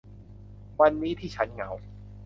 วันนี้ที่ฉันเหงา